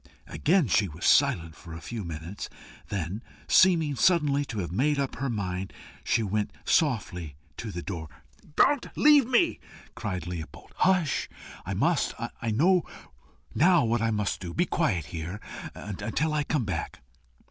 Again she was silent for a few moments; then, seeming suddenly to have made up her mind, went softly to the door. "Don't leave me!" cried Leopold. "Hush! I must. I know now what to do. Be quiet here until I come back."